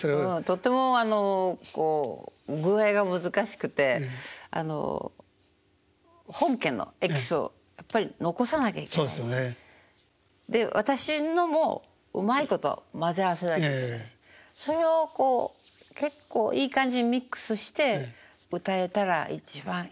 とってもこう具合が難しくてあの本家のエキスをやっぱり残さなきゃいけないし私のもうまいこと混ぜ合わせなきゃいけないしそれをこう結構いい感じにミックスして歌えたら一番いいなと思ってるんですね。